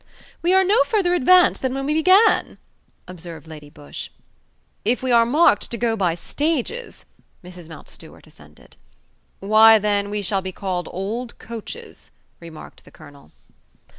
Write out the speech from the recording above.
"We are no further advanced than when we began," observed Lady Busshe. "If we are marked to go by stages," Mrs. Mountstuart assented. "Why, then, we shall be called old coaches," remarked the colonel.